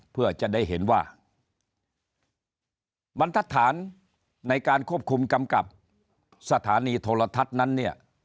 เพื่อจะได้เห็นว่าบรรทัศน์ในการควบคุมกำกับสถานีโทรทัศน์นั้นเนี่ย